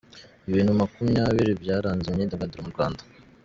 Ibintu makumyabiri byaranze imyidagaduro mu Rwanda